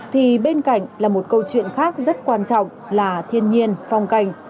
thì bên cạnh là một câu chuyện khác rất quan trọng là thiên nhiên phong cảnh